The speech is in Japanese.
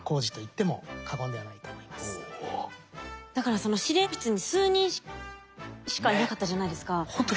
だからその司令室に数人しかいなかったじゃないですか。